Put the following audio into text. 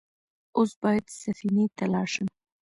اوس بايد سفينې ته لاړ شم.